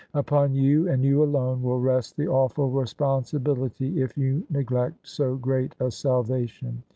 Upon you — and you alone — ^will rest the awful responsibility if you neglect so great a salvation.